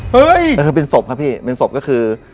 เฮ้ยก็คือเป็นศพครับพี่เป็นศพก็คือ